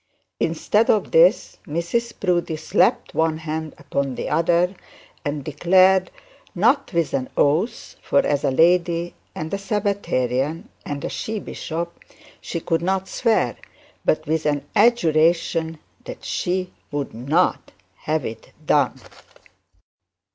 Instead of that, Mrs Proudie slapped one hand upon the other, and declared not with an oath; for as a lady and a Sabbatarian and a she bishop, she could not swear, but with an adjuration, that 'she wouldn't have it done.'